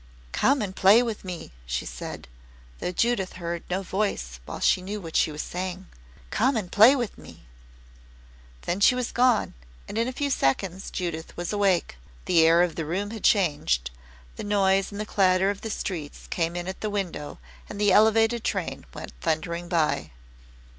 "Come and play with me," she said though Judith heard no voice while she knew what she was saying. "Come and play with me." Then she was gone, and in a few seconds Judith was awake, the air of the room had changed, the noise and clatter of the streets came in at the window, and the Elevated train went thundering by.